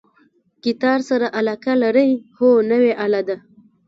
ګیتار سره علاقه لرئ؟ هو، نوی آله ده